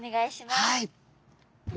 はい。